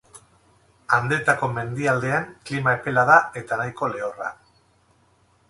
Andeetako mendialdean klima epela da, eta nahiko lehorra.